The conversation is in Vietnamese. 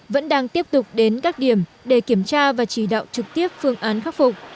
vẫn đang tiếp tục đến các điểm để kiểm tra và chỉ đạo trực tiếp phương án khắc phục